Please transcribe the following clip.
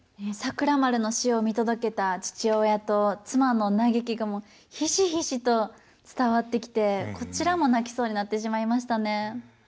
桜丸の死を見届けた父親と妻の嘆きがひしひしと伝わってきてこちらも泣きそうになってしまいましたね。